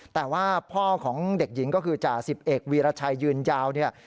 แต่ว่าพ่อของเด็กหญิงก็คือจ่าสิบเอกวีรชัยยืนยาวเนี่ย